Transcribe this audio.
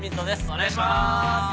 お願いします。